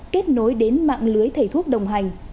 kết nối đến mạng lưới thầy thuốc đồng hành